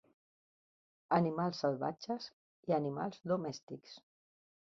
Animals salvatges i animals domèstics.